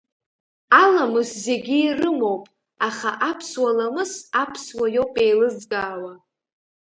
Аламыс зегьы ирымоуп, аха аԥсуа ламыс аԥсуа иоуп еилызкаауа.